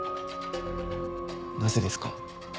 なぜですか？